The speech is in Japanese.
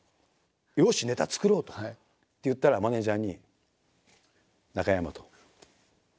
「よしネタ作ろう！」って言ったらマネージャーにハハハハハ！